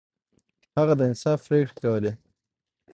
هغه د انصاف پریکړې کولې.